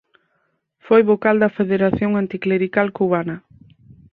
Foi Vocal da Federación Anticlerical Cubana.